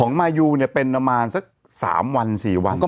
มายูเนี่ยเป็นประมาณสัก๓วัน๔วัน